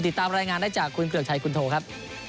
ติดตามรายงานได้จากคุณเกลือกชัยคุณโทครับ